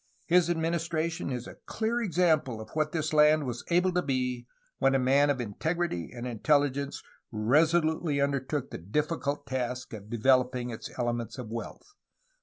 His administration is a clear example of what this land was able to be, when a man of integrity and intelli gence resolutely undertook the difficult task of developing its elements of wealth."